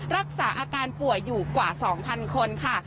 รักษาอาการป่วยอยู่กว่า๒๐๐คนค่ะ